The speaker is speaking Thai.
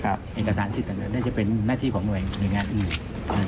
การออกเอกสารสิทธิ์นั้นน่าจะเป็นหน้าที่ของหน่วยในงานอื่น